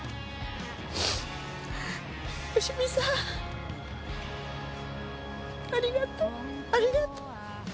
芳美さんありがとうありがとう。